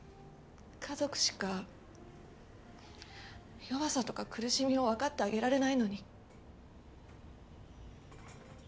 家族しか弱さとか苦しみを分かってあげられないのに。